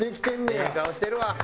ええ顔してるわ。